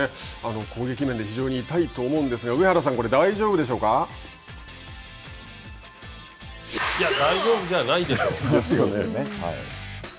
攻撃面で非常に痛いと思うんですが上原さん、大丈夫でしょうか。ですよね。